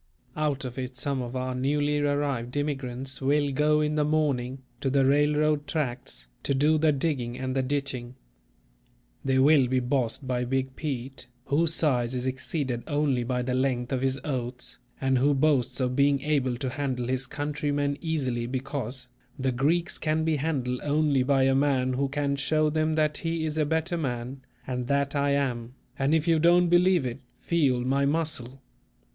Out of it some of our newly arrived immigrants will go in the morning, to the railroad tracks, to do the digging and the ditching. They will be "bossed" by "Big Pete," whose size is exceeded only by the length of his oaths, and who boasts of being able to handle his countrymen easily, because: "The Greeks can be handled only by a man who can show them that he is a better man, and that I am; and if you don't believe it, feel my muscle.